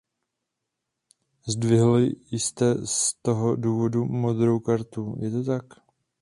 Zdvihl jste z toho důvodu modrou kartu, je to tak?